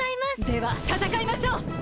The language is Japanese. ではたたかいましょう！